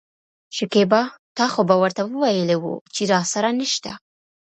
شکيبا : تا خو به ورته وويلي وو چې راسره نشته.